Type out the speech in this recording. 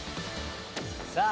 さあ